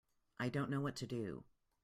I didn't know what to do.